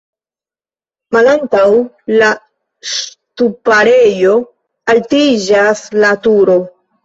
Malantaŭ la ŝtuparejo altiĝas la turo.